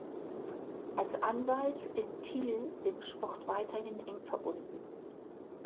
Als Anwalt ist Thiel dem Sport weiterhin eng verbunden.